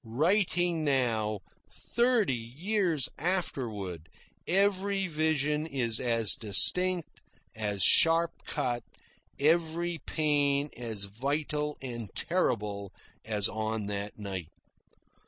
Writing now, thirty years afterward, every vision is as distinct, as sharp cut, every pain as vital and terrible, as on that night.